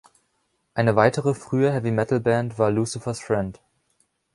Eine weitere frühe Heavy-Metal-Band war Lucifer's Friend.